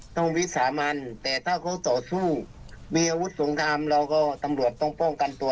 ต้องวิสามันแต่ถ้าเขาต่อสู้มีอาวุธสงคามทั้งหลวงต้องป้องกันตัว